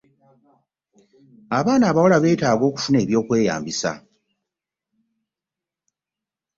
Abaana abawala beetaaga okufuna eby'okweyambisa